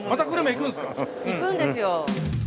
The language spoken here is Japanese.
行くんですよ。